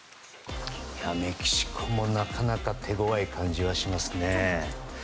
メキシコもなかなか手ごわい感じがしますね。